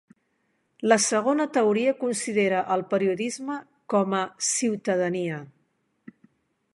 La segona teoria considera el periodisme "com a" ciutadania.